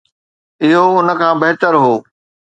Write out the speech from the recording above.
اهو ان کان بهتر هو.